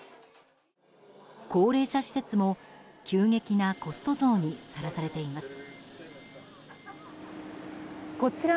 高齢者施設も急激なコスト増にさらされています。